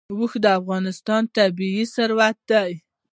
اوښ د افغانستان طبعي ثروت دی.